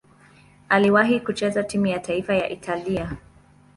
Aliwahi kucheza timu ya taifa ya Italia.